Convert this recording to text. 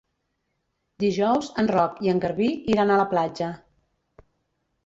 Dijous en Roc i en Garbí iran a la platja.